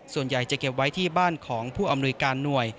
ส่วนใหญ่จะเก็บไว้ที่บ้านของผู้อำนวยการหน่วย